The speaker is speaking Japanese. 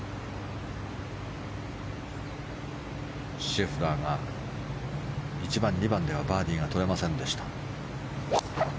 シェフラーが１番、２番ではバーディーが取れませんでした。